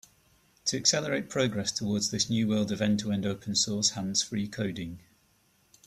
To accelerate progress towards this new world of end-to-end open source hands-free coding.